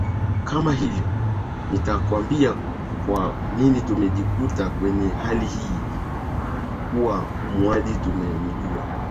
ndiyo kama hivyo Nitakwambia kwa nini tumejikuta kwenye hali hii kuwa muuaji tumemjua